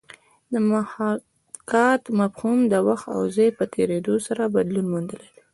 د محاکات مفهوم د وخت او ځای په تېرېدو سره بدلون موندلی دی